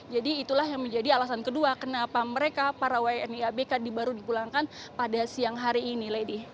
jadi itulah yang menjadi alasan kedua kenapa mereka para wni abk baru dipulangkan pada siang hari ini